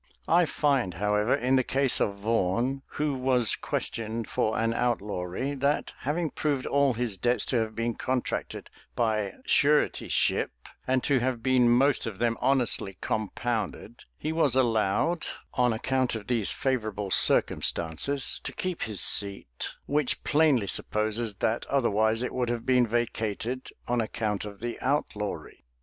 I find, however, in the case of Vaughan,[] who was questioned for an outlawry, that, having proved all his debts to have been contracted by suretyship, and to have been most of them honestly compounded, he was allowed, on account of these favorable circumstances, to keep his seat; which plainly supposes, that otherwise it would have been vacated on account of the outlawry.